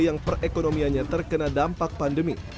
yang perekonomiannya terkena dampak pandemi